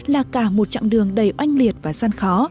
là cả một chặng đường đầy oanh liệt và gian khó